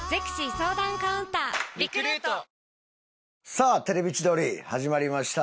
⁉さあ『テレビ千鳥』始まりました。